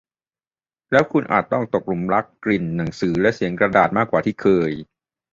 แล้วคุณอาจต้องตกหลุมรักกลิ่นหนังสือและเสียงกระดาษมากกว่าที่เคย